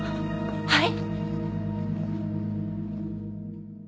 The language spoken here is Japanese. はい？